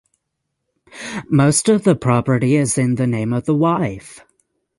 Most of the property is in the name of the wife.